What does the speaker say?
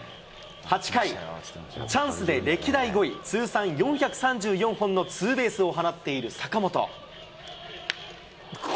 ８回、チャンスで歴代５位、通算４３４本のツーベースを放っている坂本。